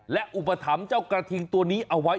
และอุปถัมภ์เจ้ากระทิงตัวนี้เอาไว้